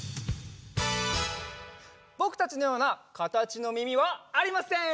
ぼくたちのようなかたちのみみはありません。